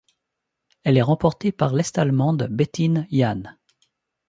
Elle est remportée par l'Est-allemande Bettine Jahn.